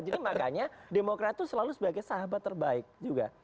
jadi makanya demokrat tuh selalu sebagai sahabat terbaik juga